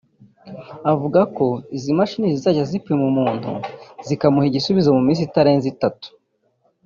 avuga ko izi mashini zizajya zipima umuntu zikamuha igisubizo mu minsi itarenze itatu